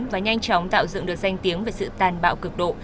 và nhanh chóng tạo dựng được danh tiếng về sự tàn bạo cực độ